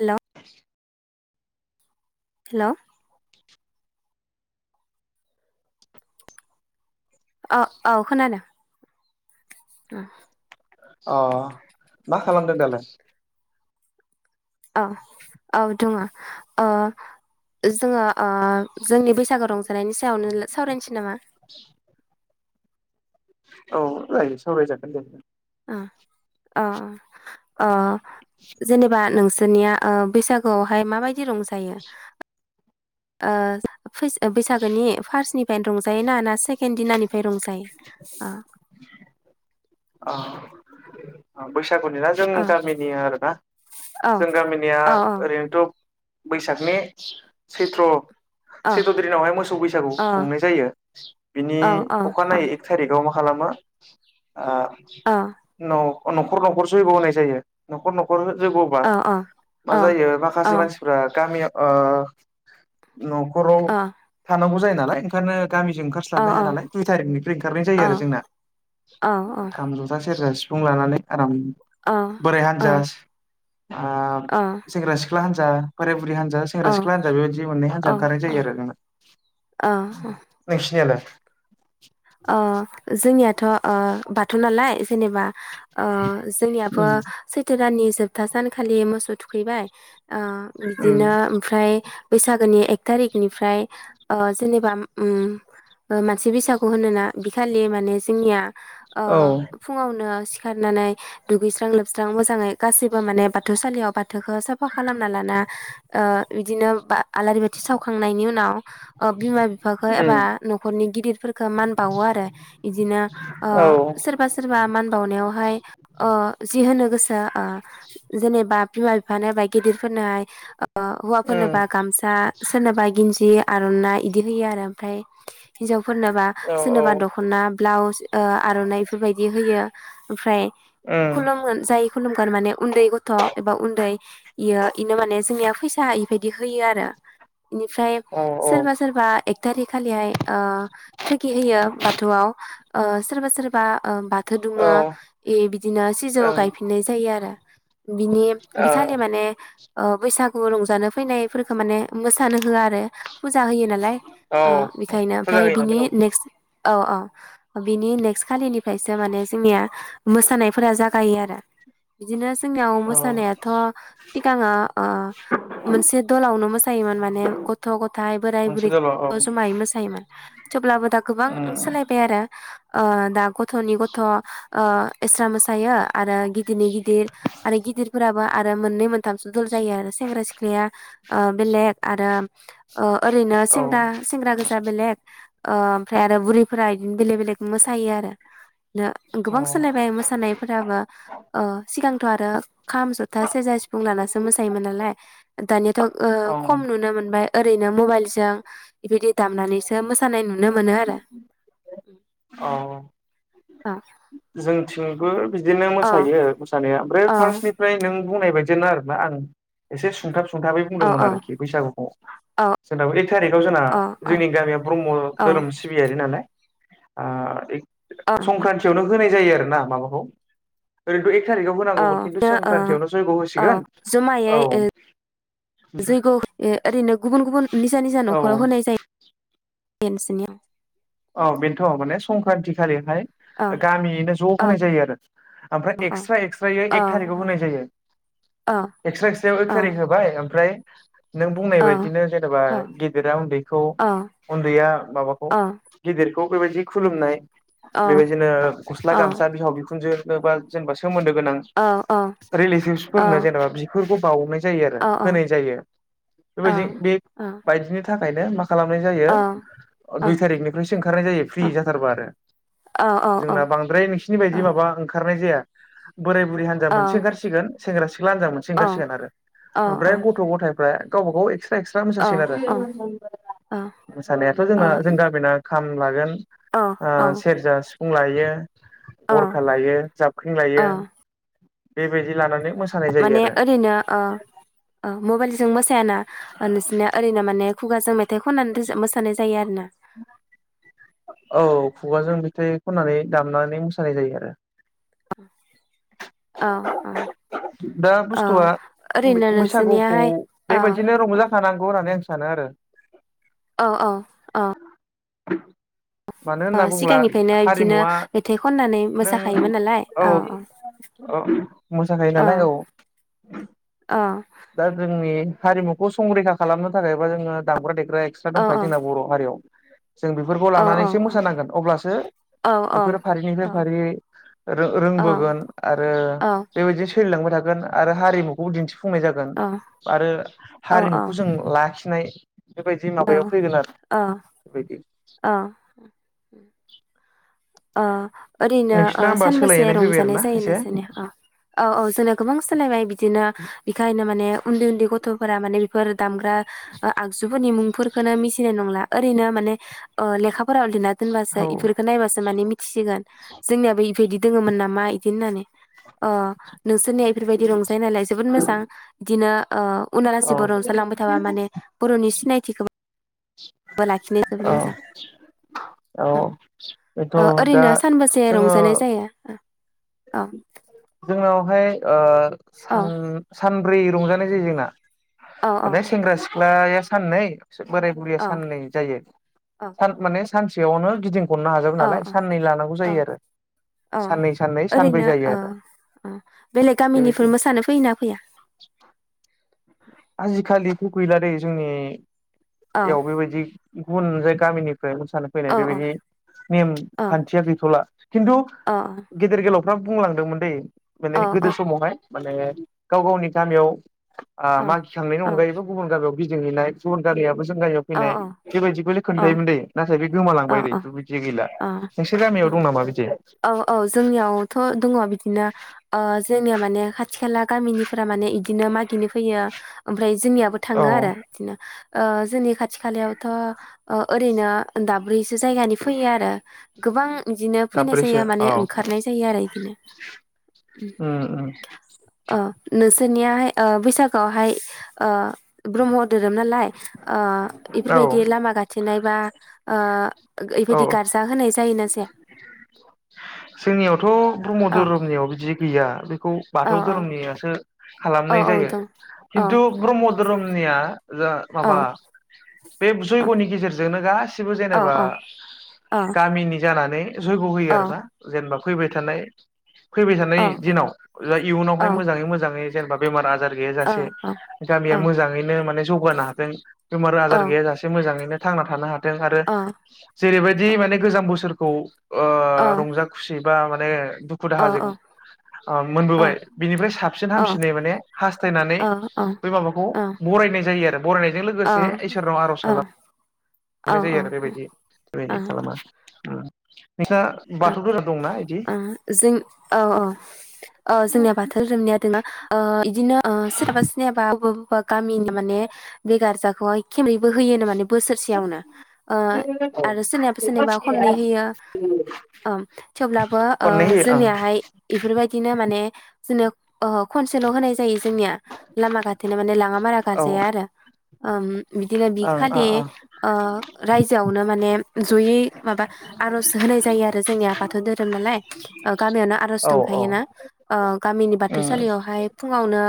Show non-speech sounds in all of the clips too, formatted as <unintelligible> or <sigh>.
हेल' <inaudible> हेल' औ औ खोनादों उम अ मा खालामदों दालाय औ औ दङ ओ जोङो ओ जोंनि बैसागो रंजानायनि सायावनो सावरायनोसै नामा औ जायो सावरायजागोन जे ओ अ अ जेनेबा नोंसा दोनिया ओ बैसागोआवहाय माबायदि रंजायो फैस ओ बैसागोनि फार्स्नि रंजायो ना ना सेकेन्द दिनानिफ्राय रंजायो आ बैस गुनि ना जों अ गामिनि आरोना औ जों गामिनिया औ ओरैनोथ' बैसागनि सैथ्र' औ सैथ्र' दिनावहाय मोसौ बैसागु खुंनाय जायो बिनि औ अखानायै एक थारिखआव मा खालामो आ औ न' न'खर न'खर जैग' होनाय जायो न'खर न'खर न'खर जैग होबा औ मा औ अ जायो अ माखासे मानसिफ्रा गामियाव अ न'खराव अ थानांगौ जायो नालाय ओंखायनो गामिजों ओंखारस्लाबनो हाया नालाय दुइ थारिखनिफ्राय ओंखारनाय जायो आरो जोंना औ औ खाम जथा सेरजा सिफुं लानानै आराम बोराय अ हान्जा अ सेंग्रा सिख सिख्ला हानजा बोराइ बुरि हान्जा औ सेंग्रा सिख्ला हान्जा बेबायदि मोननै औ हान्जा ओंखारनाय औ जायो आरो नोंङो औ नोंसिनियालाय अ' जोंनियाथ' बाथौ नालाय जेनेबा जोंनियाबो उम औ सैथो दाननि। जोबथा सानखालि मोसौ थुखैबाय। बिदिनो उम ओमफ्राय बैसागोनि एक थारिकनिफ्राय जेनेबा मानसे बैसागु। खौ होनोना बिखालि माने जोंनिया। औ फुङावनो सिखारनानै दुगैस्रां लोबस्रां मोजाङै गासैबो माने बाथौसालियाव बाथौखौ साफा खालामना लाना बिदिनो आलारि बाथि सावखांनायनि उनाव। बिमा बिफाखौ एबा औ न'खरनि गिदिर मान बावो आरो, इदिनो उम सोरबा सोरबा मान बावनायाव हाय बिमा <unintelligible> बिफानो होबाय गिदिरफोरनोहाय हौवाफोरनोबा गामसा सोरनोबा गन्ज आर'नाइ इदि होयो आरो ओमफ्राय, हिन्जावफोरनोबो सोरनोबा दखना ब्लाउस आर'नाइ बेफोरबायदि होयो। ओमफ्राय खुलुमगोन जाय खुलुमगोन माने उन्दै गथ' थ' एबा उन्दै इयो बेनो माने जोंनिया फैसा इबायदि होयो आरो। बेनिफ्राय सोरबा औ ओं सोरबा थारिखालिहाय थुगि होयो बाथौआव, सोरबा सोरबा <unintelligible> बे बिदिनो सिजौ गायफिननाय जायो आरो। <inaudible> बिनि बिखालि माने बैसागु रंजानो फैनायफोरखौ माने मोसानो होआ आरो। होयो नालाय, ओ औ बेखायनो फुजा ओमफ्राय होयो नालाय बिनि औ औ औ बिनि नेक्स्ट खालिनिफ्रायसो माने जोंनिया। मोसानायफोरा जाग गायो आरो बिदिनो जोंनियाव औ मोसानायाथ', सिगाङो मोनसे दलावनो मोसायोमोन माने। गथ' गथाय बोराय मोनसे बुरै दल' औ उम जमायै मोसायोमोन। थेवब्लाबो दा गोबां औ सोलायबाय आरो। आ दा नि गथ' इसा मोसायो आरो गिदिरनि गिदिर आरो गिदिरफोराबो आरो मोननै मोनथामसो दल जायो आरो सेंग्रा सिख्लाया ओ बेलेग आरो ओ ओरैनो सेंग्रा सेंग्रा गोजा बेलेग ओमफ्राय आरो बुरैफोरा बिदिनो बेलेक बेलेक मोसायो आरो नो औ गोबां सोलायबाय मोसानायफोराबो ओ सिगां <unintelligible> आरा खाम जथा सेरजा सिफुं लानासो मोसायोमोन नालाय दानियाथ' खम नुनो मोनबाय ओरैनो मबाइल जों बिबायदि दामनानैसो मो मोसानाय नुनो मोनो आरो। औ अ जोंथिंबो बिदिनो अ मोसायो मोसानाया ओमफ्राय अ फार्स्टनिफ्राय नों बुंनाय बायदिनो आरोना आं एसे सुंथाब सुंथाब सुंथाबै अ बुंदोंमोन आरोखि बैसागुखौ अ जोंनाबो एक थारिखआव जोंना अ जोंनि गामिया ब्रह्म अ धोरोम सिबियारि नालाय आ एक अ संक्रान्ति होनाय जायो आरो ना माबाखौ एक थारिखाव औ होनांगौमोन खिन्थु संक्रान्तियावनो जयग' औ होसिगोन जमायै औ जैग' ओरैनो गुबुन गुबुन निजा निजा औ न'खराव होनाय जायो <unintelligible> औ बेनोथ' माने संक्रान्ति खालिहाय अ गामियैनो ज' होनाय जायो आरो ओमफ्राय अ अ एक्सट्रा एक्सट्रै अ एक थारिकआव होनाय जायो अ एक्सट्रा एक्सट्रायाव एक अ थारिक होबाय ओमफ्राय नों बुंनाय बायदिनो जेनेबा अ गेदेरा उन्दैखौ उन्दैया माबाखौ अ गिदिरखौ बेबायदि खुलुमनाय अ बेबायदिनो गस्ला अ गामसा बिहाव बिखुनजो जेनेबा सोमोन्दो गोनां औ औ औ रिलेटिबसफोरनो जेनेबा फोरखौ बावनोनाय होनाय औ औ जायो बे बायदिनो बे बेबायदिनि थाखाय ओंखायनो मा खालामनाय जायो दुइ थारिखनि निफ्रायसो ओंखारनाय जायो फ्रि जाथारोब्ला आरो औ जोंना बांद्राय नोंसिनि बादि माबा ओंखार <unintelligible> जाया बोराय बुरै हान्जा मोनसे ओंखारसिगोन सेंग्रा सिख्ला हान्जा मोनसे ओंखारसिगोन आरो ओमफ्राय गथ' गथायफ्रा गावबागाव एक्स एक्सट्रा मोसासिगोन आरो मोसानायाथ' जोंना जों गामिना खाम लागोन ओ औ सेरजा सिफुं लायो गरखा औ लायो जाबख्रिं औ लायो बेबायदि लानानै मोसानाय जायो माने आरो ओरैनो ओ मबाइलजों मोसायाना नोंसोरनिया ओरैनो माने खुगाजों मे मेथाइ खनानै मोसानाय जायो आरोना? औ खुगाजों मेथाइ खननानै दामनानै मोसानाय जायो आरो। औ औ दा औ बुस्थुआ ओरैनो बै-बैसागुखौ नोंसोरनियाहाय औ बेबायदिनो औ रंजाखानांगौ होननानै आं सा सानो आरो । औ <inaudible> मानो ओ होनना बुङोब्ला सिगांनिफ्रायनो इदिनो हारिमुवा मेथाइ खननानै नों मोसाखायोमोन नालाय औ औ साखायो नालाय औ औ दा जोंनि हारिमुखौ संरैखा खालामनो थाखाय बा जोङो दामग्रा दे ग्रा एक्सरा औ दंखायो जोंना बर' हारियाव । जों बेफोरखौ औ औ लानानैसो औ मोसानांगोन अब्लासो औ बेफोरो फारिनिफ्राय औ फारियै औ रो-रोंबोगोन आरो औ बेबायदि सोलिलांबाय थागोन आरो हारिमुखौ दिन्थिफुं फुंनाय जागोन औ आरो औ हारिमुखौ जों लाखिनाय बेबायदि माबायाव फैगोन आरो बेबायदि । अ <inaudible> ओ ओरैनो ओ नोंसिना होमबा सानबेसे सोलायनाय फैबाय आरो रंजानाय ना जायो एसे नोंसिनिया? औ औ जोंना गोबां सोलायबाय बिदिनो बेखायनो माने उन्दै उन्दै गथ' फोरा माने बेफोर दामग्रा ओ आगजुफोरनि मुंफोरखोनो मिथिनाय नंला ओरैनो माने ओ लेखा फोराव लिरना दोनबासो औ बेफोरफोरखौ नायबासो माने मिथिसिगोन जोंनियाबो इबायदि दङोमोन नामा इदि होनानै ओ नोंसोरनिया इफोरबायदि रंजायो नालाय जोबोद मोजां बिदिनो ओ औ उनालासिबो रंजालांबाय थाबा माने बर'नि सिनायथि <unintelligible> लाखिनाया जोबोद औ मोजां औ बेथ' । ओं दा ओरैनो सानबसे जोङो रंजानाय जायो ओ? औ जोंनावहाय ओ औ सान सान ब्रै रंजानाय जायो जोंना औ माने औ सेंग्रा सिख्लाया सान नै बोराय बुरिया औ साननै जायो सान माने सान सेयावनो गिदिं औ औ औ साननै साननै सानब्रै ओरैनो जायो आरो बेलेग बेबायदि गामिनिफोर मोसानो फैयोना फैया? बेथ' गैला दै जोंनि औ एयावबो बेबायदि गुबुन जाय गामिनि मोसानो फैनाय औ बेबायदि नेम औ खान्थिया गैथ'ला खिन्थु औ गेदेर गोलाव मा बुंलांदोंमोन दै माने औ गोदो समावहाय माने गाव गावनि गामियाव आ मा थांनायनि औ अनगायैबो गुबुन जागायाव बिदिहैनाय गुबुन गामियाबो फैनाय बेबायदिखौल खोन्थायोमोन दै नाथाय बे गोमालांबाय दै औ बिदि गैला नोंसोर औ गामियाव दं नामा बिदि औ औ जोंनियावथ' दङ बिदिनो ओ जोंनिया माने खाथि खाला गामिनिफोरा माने इदिनो मागिनो फैयो ओमफ्राय जोंनियाबो औ थाङो आरो बिदिनो ओ जोंनि खाथि खालायावथ' ओ ओरैनो दाब्रै जायगानि फैयो आरो गोबां बिदिनो फैनाय दाब्रैसो जायो माने औ ओंखारनाय जायो आरो इदिनो उम उम ओ सोरनियाहाय बैसागोआवहाय ओ ब्रह्म धोरोम नालाय ओ औ इफोरबायदि लामा गाथेनाय बा ओ बेबायदि औ गार्जा होनाय जायोना जाया? <inaudible> जोंनियावथ' ब्रह्म औ धोरोमनियाव बिदि गैया खौ औ बाथौ धोरोमनियासो औ खालामनाय औ जायो दं औ खिन्थु ब्रह्म धोरोम निया जा माबा बे जयग'नि गेजेरजोंनो गासिबो जेनेबा गामिनि जानानै जयग' होयो आरोना जेनेबा फैबाय थानाय फैबाय थानाय दिनाव जा इयुनावहाय मोजाङै मोजाङै जेनबा बेमार आजारनि गैया जासे गामिया मोजाङैनो माने जौगानो हाथों बेमार आजार गैया जासे मोजाङैनो थांना थानो हाग थों आरो जेरैबायदि माने गोजाम बोसोर खौ ओ रंजा खुसि बा माने दुखु दाहाजों ओ मोनबोबाय बिनिफ्राय साबसिन हामसिनै माने हास्थायनानै बै माबाखौ बरायनाय जायो आरो बरायनायजों लोगोसे इसोरनाव आर'ज खालाम मोननाय जायो आरो बेबायदि बेबायदि खालामा नोंस्रा बाथौ धोरोम? दंना इदि ओं जों औ औ ओ जोंनिया बाथौ धोरोमनिया दङना ओ बिदिनो ओ सोरनाबा सोरनाबा बबा बबेबा गामिनि माने बे गारजाखौ खेमबैबो होयोनो माने बोसोरसेयावनो ओ आरो सोरनिबा सोरनिबा खननै होयो अब्लाबो खननै ओ होयो जोंनियाहाय बेफोरबायदिनो माने जोनोब ओहो खनसेल' होनाय जायो जोंनिया लामा गाथेनो माने लाङा मारा ओं गारजाया आरो ओम बिदिनो बि औ खालि ओं ओ रायजोआवनो माने जयै माबा आर'ज होनाय जायो आरो जोंनिया बाथौ धोरोम नालाय ओ गामियावनो आर'ज ओ औ दंखायो ना ओ गामिनि उम बाथौसालियावहाय फुङावनो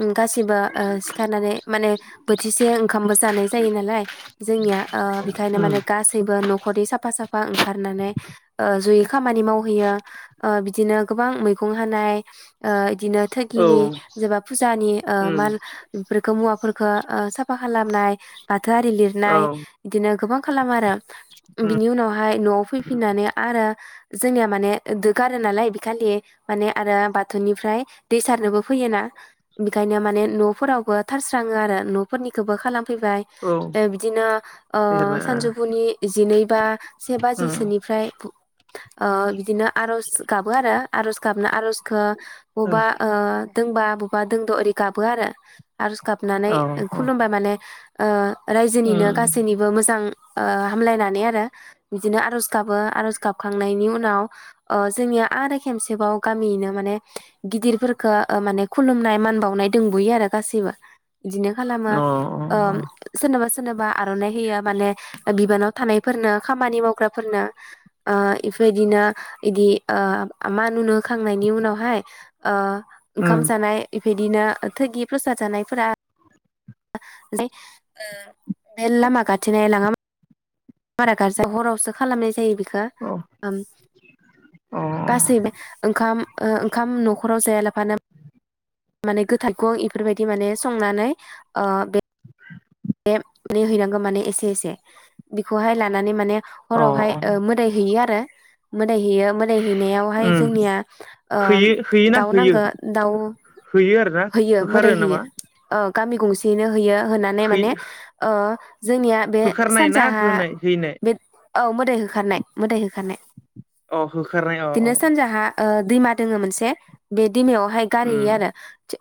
उम गासैबो ओ सिखारनानै माने बोथिसे ओंखामबो जानाय जायो नालाय जोंनिया आ बेखायनो उम औ माने गासैबो न'खरनि साफा साफा ओंखारनानै ओ ज'यै खामानि मावहैयो ओ बिदिनो गोबां मैगं हानाय बिदिनो उम औ थागिनि उम जेबा फुजानि ओ माल बेफोरखौ मुवाफोर खौ साफा खालामनाय थौआरि लिरनाय बिदिनो गोबां खालाम आरो बिनि उनावहाय न'आव फैफिननानै आरो जोंनिया माने दोगारो नालाय बे खालि माने आरो बाथौनिफ्राय दै सारनोबो फैयोना बेखायनो माने न'फोरावबो थारस्राङो आरो न'फोरनिखौबो खाला म फैबाय औ इसोरनो ओ उम औ उम अ उम बिदिनो अ सानजौफुनि जिनै बा से बाजिसोनिफ्राय ओ बिदिनो आर'ज गाबो आरो आर'ज गाबना आर'जखो अबा ओ दोंबा बबेबा दोंद' ओरै गाबो आरो आरज गाबनानै खुलुमबाय माने ओ रायजोनिनो अ गासैनिबो मोजां ओ हामलायनानै आरो बिदिनो आर'ज गाबो आरज गाब खांनायनि उनाव ओ जोंनिया आरो खेबसेबाव गामिनो माने गिदिरफोरखो माने खुलुमनाय मान बावनाय दंबयो आरो गाैसैबो बिदिनो खालामो ओ सोरनोबा सोरनोबा आर'नाइ होयो माने बिबानाव थानायफोरनो खामानि मावग्राफोरनो ओ इफोबायदिनो बिदि ओ मान उनु होखांनायनि उनावहाय ओ ओंखाम जानाय इफि दिनो थैगि प्रसाद जानायफोराे ओ बे लामा गाथिनो लां बारा गारजा हरावसो खालामनाय जायो बि खौ गासैबो ओंखाम ओ ओंखाम न'खराव जायालाफानो माने गोथाखौ इफोरबायदि माने संनानै ओ बे हैनांगो माने एसे एसे बिखोहाय लानानै माने अ हरावहाय अ ओ मोदाय हैैयो आरो मोन मोदाय हैयो मोदाय हैनायावहाय उम जोंनिया ओ होयो होयोना दाउ होयो नांगौ दाउ होयो आरोना हैयो होखारो मोदाय नामा होयोओ गामि गंसेयैनो होयो। होनानै है माने ओ जोंनिया बे होखारनाय ना सानजाहा होनाय हैनाय बे औ मोदाय होखारनाय मोदाय हो खारनाय अ होखारनाय अ अ दिनो सानजाहा ओ दैमा दोङो मोनसे बे दिमायावहाय गारहैयो उम आरो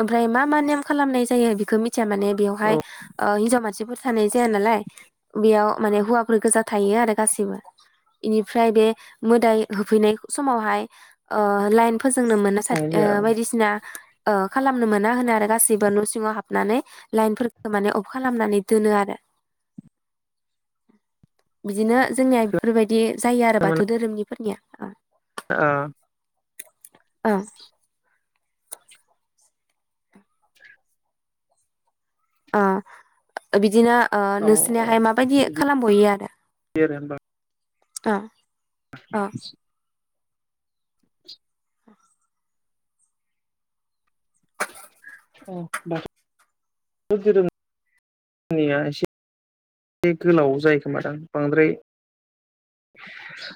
ओमफ्राय मा मा नेम खालामनाय जायो बेखौ मि मिथिया माने औ बेवहाय ओ हिन्जाव मानसिफोर थानाय जाया नालायबेयाव माने होैवा फोर गोजा थायो आरोगासैबो इनिफ्राय बेमोदाय होफैनाय समावहाय ओ लायेन फोजोंनो मोना सा थानाय जाया औ बायदिसिना ओ खालामनो मोना होनो आरो गासिबो न' सिङाव हाबनानै लाइनफोरखौ माने अफ खालामनानै दोन आरो बिदिनो जोंनिया बेफोरबाय दि जायो आरो बाथौ धोरोमनिफोरनिया। ओ उम आ बिदिनो ओ नोंसोरनियाहाय माबायदि खालामबयो आरो? आरो होमबा अ धोरोमनिया एसे गोलाव जायोखोमा दां बांद्राय